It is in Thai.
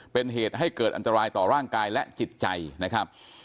เป็นเหตุให้เกิดอันตรายต่อร่างกายและจิตใจนะครับ